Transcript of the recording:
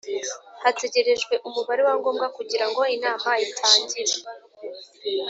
Hategerejwe Umubare wa ngombwa kugira ngo inama itangire